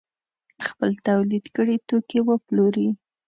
خپل تولید کړي توکي وپلوري.